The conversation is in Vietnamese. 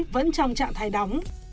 vẫn trong trạng thái đóng